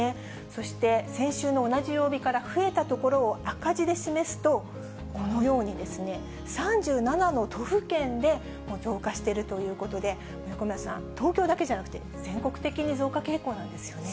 そして先週の同じ曜日から増えた所を赤字で示すと、このようにですね、３７の都府県で増加しているということで、横山さん、東京だけでなくて、全国的に増加傾向なんですよね。